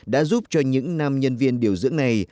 đã giúp cho những nam nhân viên điều dưỡng này